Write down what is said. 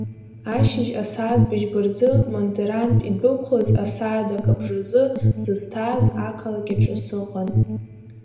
Ашьыжь асааҭ быжьба рзы Мандарантә идәықәлаз асааҭ акабжазы сызҭааз ақалақь аҿы сыҟан.